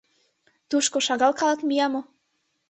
— Тушко шагал калык мия мо?